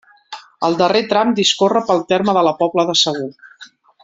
El darrer tram discorre pel terme de la Pobla de Segur.